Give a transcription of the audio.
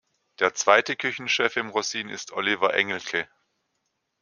Der zweite Küchenchef im "Rosin" ist Oliver Engelke.